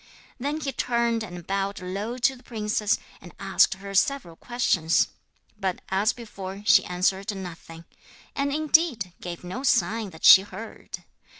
Then he turned and bowed low to the princess, and asked her several questions; but, as before, she answered nothing, and, indeed, gave no sign that she heard.